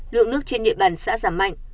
lượng nước trên địa bàn xã giảm mạnh